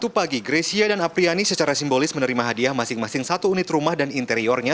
sabtu pagi grecia dan apriani secara simbolis menerima hadiah masing masing satu unit rumah dan interiornya